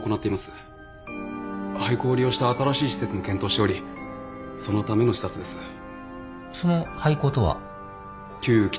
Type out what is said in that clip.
廃校を利用した新しい施設も検討しておりそのための視察です。